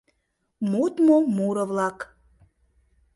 МОДМО МУРО-ВЛАК.